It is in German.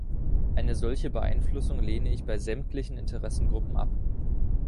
Eine solche Beeinflussung lehne ich bei sämtlichen Interessengruppen ab.